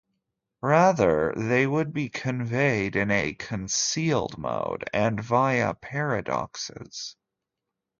Rather, they would be conveyed in a "concealed mode" and via "paradoxes".